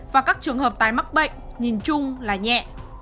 và các trường hợp tái mắc bệnh nhìn chung là nhẹ